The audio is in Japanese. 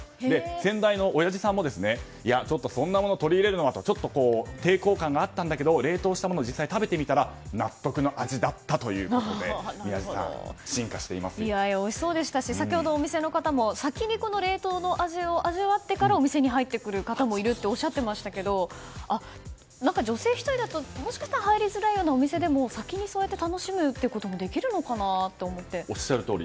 先代のおやじさんもいや、そんなものを取り入れるのはとちょっと抵抗感があったんだけど冷凍したものを実際に食べてみたら納得の味だったということでおいしそうでしたし先ほどお店の方も先に冷凍の味を味わってからお店に入ってくる方もいるとおっしゃってましたけど女性１人だと入りづらいようなお店でも先にそうやって楽しむということもできるのかなとおっしゃるとおり。